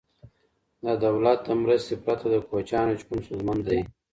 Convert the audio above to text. د دولت د مرستې پرته د کوچیانو ژوند ستونزمن دی.